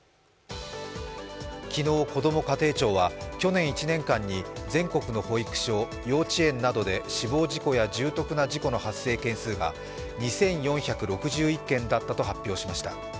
昨日、こども家庭庁は去年１年間に全国の保育所や幼稚園などで死亡事故や重篤な事故の発生件数が２４６１件だったと発表しました。